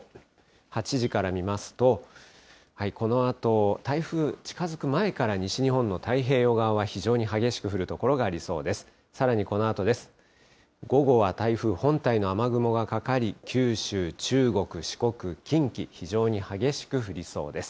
８時から見ますと、このあと、台風近づく前から、西日本の太平洋側は非常に激しく降る所がありそうです。